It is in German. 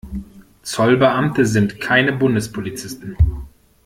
Zollbeamte sind keine Bundespolizisten.